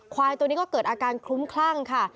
ควายตัวนี้ก็เกิดอาการคลุ้มคลั่งค่ะ